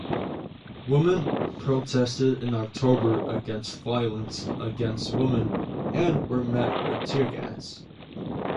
Women protested in October against violence against women and were met with tear gas.